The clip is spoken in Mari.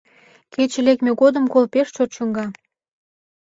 Кече лекме годым кол пеш чот чӱҥга.